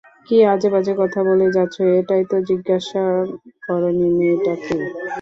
কি আজেবাজে কথা বলে যাচ্ছো এটাই তো জিজ্ঞাসা করো নি, মেয়েটা কে।